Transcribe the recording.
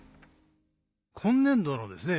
今年度のですね